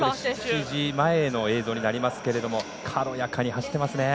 ７時前の映像になりますけど軽やかに走っていますね。